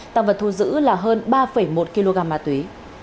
tăng vật thu giữ là hơn ba một kg ma túy